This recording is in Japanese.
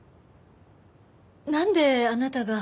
なんであなたが。